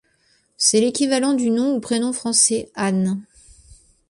C'est l'équivalent du nom ou prénom français Anne.